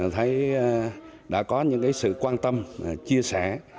thấy đã có những sự quan tâm chia sẻ